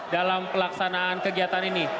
dalam pelaksanaan kegiatan ini